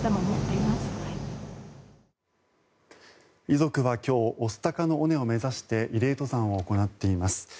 遺族は今日御巣鷹の尾根を目指して慰霊登山を行っています。